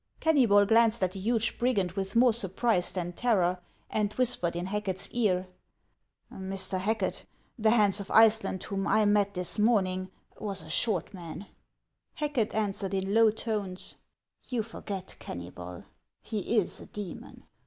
Kennybol glanced at the huge brigand with more sur prise than terror, and whispered in Racket's ear :" Mr. Hacket, the Hans of Iceland whom I met this morning was a short man." HANS OF ICELAND. 357 Hacket answered in low tones :" You forget, Kenuybol ; he is a demon